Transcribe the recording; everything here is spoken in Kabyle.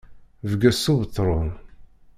Bges s ubetṛun.